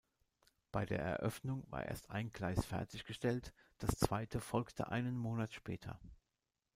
Bei der Eröffnung war erst ein Gleis fertiggestellt, das zweite folgte einen Monat später.